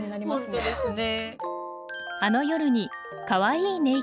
本当ですね。